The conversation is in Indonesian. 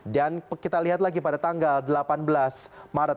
dan kita lihat lagi pada tanggal delapan maret dua ribu enam belas